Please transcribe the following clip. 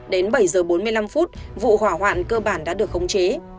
đến bảy giờ bốn mươi năm vụ hỏa hoạn cơ bản đã được khống chế